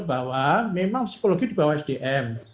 bahwa memang psikologi di bawah sdm